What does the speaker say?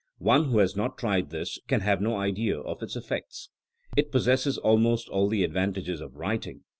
One who has not tried this can have no idea of its effect. It possesses almost all the advantages of writing.